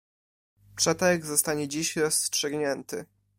Przetarg zostanie dziś rozstrzygnięty.